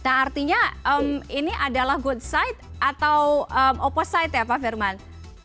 nah artinya ini adalah good side atau opposite ya pak firman